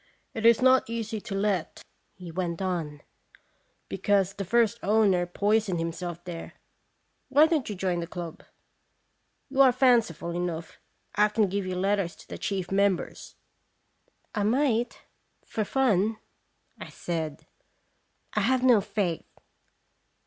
"It is not easy to let," he went on, "be cause the first owner poisoned himself there. Why don't you join the club ? You are fan ciful enough. I can give you letters to the chief members." "I might for fun," I said; "I have no faith."